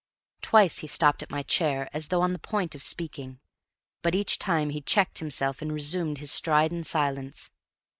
Twice he stopped at my chair as though on the point of speaking, but each time he checked himself and resumed his stride in silence.